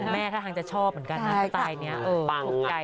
แม่ท่านคงจะชอบเหมือนกันนะ